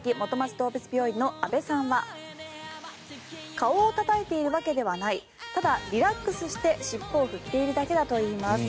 どうぶつ病院の阿部さんは顔をたたいているわけではないただ、リラックスして尻尾を振っているだけだといいます。